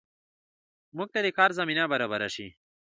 موږ ته د کار زمینه برابره شي